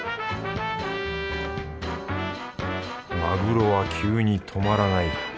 マグロは急に止まらない。